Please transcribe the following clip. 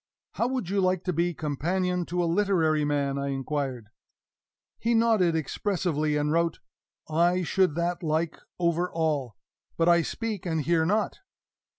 "How would you like to be companion to a literary man?" I inquired. He nodded expressively, and wrote: "I should that like over all. But I speak and hear not."